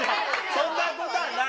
そんなことない。